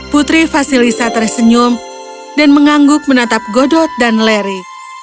putri vasilisa tersenyum dan mengangguk menatap godot dan lerry